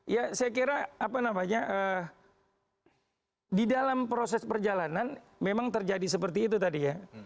ya saya kira apa namanya di dalam proses perjalanan memang terjadi seperti itu tadi ya